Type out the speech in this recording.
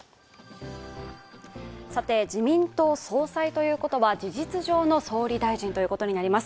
自民党総裁ということは事実上の総理大臣ということになります。